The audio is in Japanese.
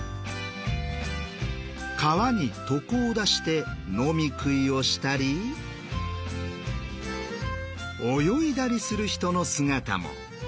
川に床を出して飲み食いをしたり泳いだりする人の姿も。